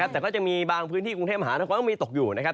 แต่ก็จะมีบางพื้นที่กรุงเทพภาคมีตกอยู่